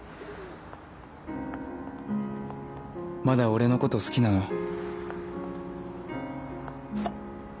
「まだ俺のこと好きなの？」。